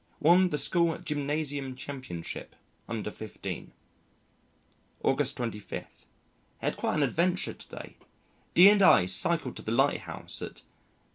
Won the School Gymnasium championship (under fifteen). August 25. Had quite an adventure to day. D and I cycled to the Lighthouse at